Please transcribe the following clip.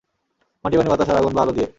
মাটি, পানি, বাতাস আর আগুন বা আলো দিয়ে।